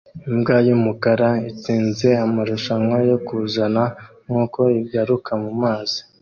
Imbwa yumukara itsinze amarushanwa yo kuzana nkuko igaruka mumazi